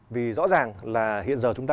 vì rõ ràng là hiện giờ chúng ta